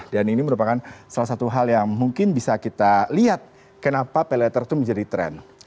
dan ini merupakan salah satu hal yang mungkin bisa kita lihat kenapa pay later itu menjadi tren